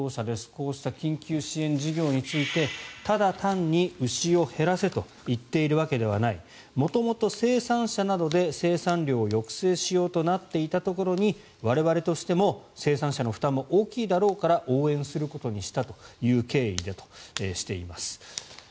こうした緊急支援事業についてただ単に牛を減らせと言ってるわけではない元々、生産者などで生産量を抑制しようとなっていたところに我々としても生産者の負担も大きいだろうから応援することにしたという経緯だとしています。